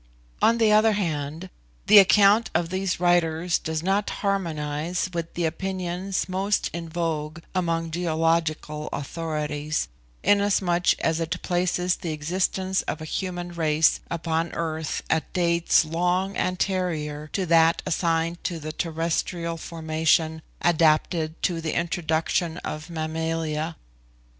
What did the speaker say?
On the other hand, the account of these writers does not harmonise with the opinions most in vogue among geological authorities, inasmuch as it places the existence of a human race upon earth at dates long anterior to that assigned to the terrestrial formation adapted to the introduction of mammalia.